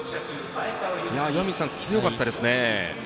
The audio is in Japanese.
川元、強かったですね。